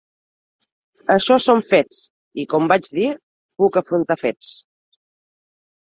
Això són fets i, com vaig dir, puc afrontar fets.